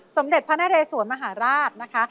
สมเด็จพระนเรสวนมหาราชนะคะ